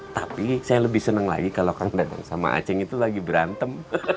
tapi saya lebih senang lagi kalau kang datang sama aceh itu lagi berantem